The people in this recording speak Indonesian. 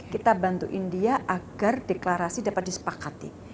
kita bantu india agar deklarasi dapat disepakati